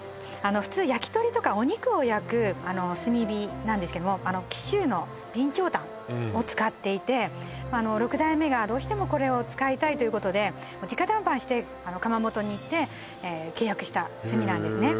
普通焼き鳥とかお肉を焼く炭火なんですけども紀州の備長炭を使っていて６代目がどうしてもこれを使いたいということで直談判して窯元に行って契約した炭なんですね